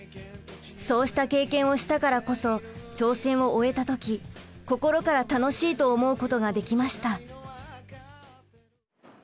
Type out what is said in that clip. そうした経験をしたからこそ挑戦を終えた時心から楽しいと思うことができました。